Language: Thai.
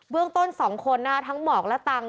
เรื่องต้น๒คนทั้งหมอกและตังค